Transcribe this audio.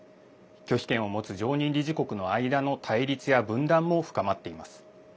拒否権を持つ常任理事国の間の対立や分断も深まっています。